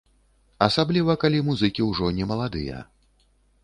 Асабліва, калі музыкі ўжо не маладыя.